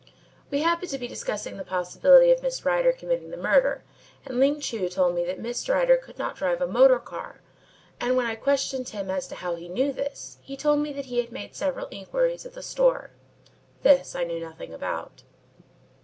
We happened to be discussing the possibility of Miss Rider committing the murder and Ling Chu told me that Miss Rider could not drive a motor car and when I questioned him as to how he knew this, he told me that he had made several inquiries at the Store. This I knew nothing about.